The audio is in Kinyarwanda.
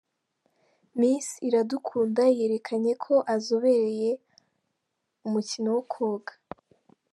Miss Iradukunda yerekanye ko azobereye umukino wo koga.